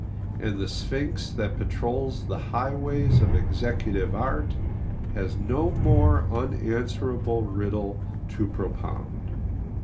And the sphinx that patrols the highways of executive art has no more unanswerable riddle to propound.